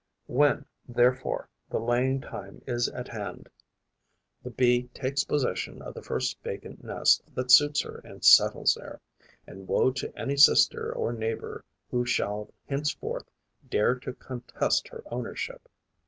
When, therefore, the laying time is at hand, the Bee takes possession of the first vacant nest that suits her and settles there; and woe to any sister or neighbour who shall henceforth dare to contest her ownership.